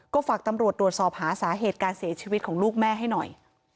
ก็ฝากตำรวจตรวจสอบหาสาเหตุการเสียชีวิตของลูกแม่ให้หน่อย